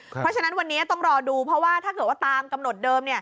เพราะฉะนั้นวันนี้ต้องรอดูเพราะว่าถ้าเกิดว่าตามกำหนดเดิม